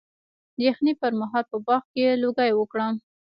د یخنۍ پر مهال په باغ کې لوګی وکړم؟